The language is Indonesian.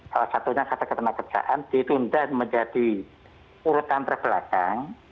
salah satunya kata ketenaga kerjaan ditunda menjadi urutan terbelakang